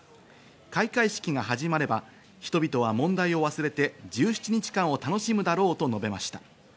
開会式が始まれば人々は問題を忘れて１７日間を楽しむだろうと述べました。